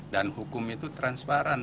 dan hukum itu transparan